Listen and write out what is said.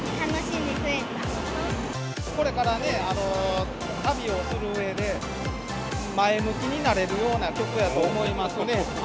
これからね、旅をするうえで、前向きになれるような曲やと思いますね。